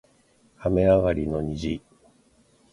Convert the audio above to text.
雨上がりの虹